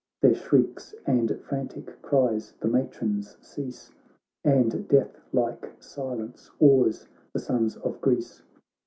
Their shrieks and frantic cries the matrons cease, And death like silence awes the sons of Greece.